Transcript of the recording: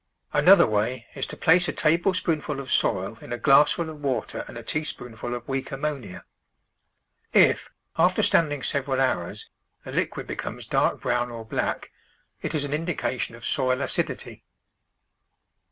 Another way is to place a tablespoonful of soil in a glassful of water and a teaspoonful of weak ammonia. If, after standing several hours, the liquid becomes dark brown or black, it is an indi cation of soil acidity.